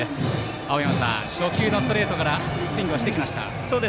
青山さん、初球のストレートからスイングしてきました。